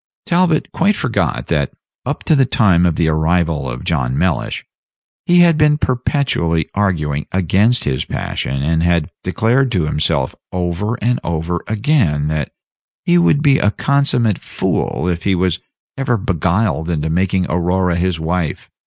Talbot quite forgot that, up to the time of the arrival of John Mellish, he had been perpetually arguing against his passion, and had declared to himself over and over again that he would be a consummmate fool if he was ever beguiled into making Aurora his wife.